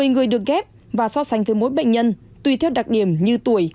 một mươi người được ghép và so sánh với mỗi bệnh nhân tùy theo đặc điểm như tuổi